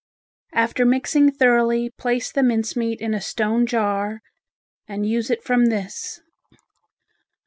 After mixing thoroughly place the mince meat in a stone jar and use it from this.